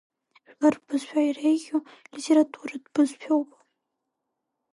Жәлар рбызшәа иреиӷьу литературатә бызшәоуп.